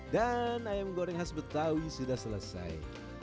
dan ayam goreng khas betawi sudah selesai